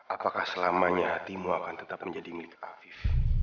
apakah selamanya timo akan tetap menjadi milik afif